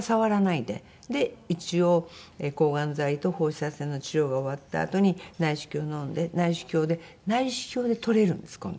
で一応抗がん剤と放射線の治療が終わったあとに内視鏡をのんで内視鏡で内視鏡で取れるんです今度。